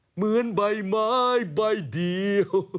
เหมือนใบไม้ใบเดียว